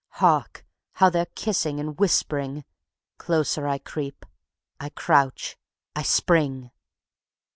Hark! how they're kissing and whispering. ... Closer I creep ... I crouch ... I spring.